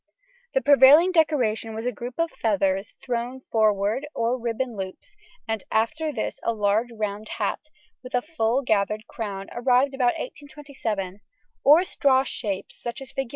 The prevailing decoration was a group of feathers thrown forward or ribbon loops, and after this a large round hat, with a full gathered crown, arrived about 1827, or straw shapes, such as Fig.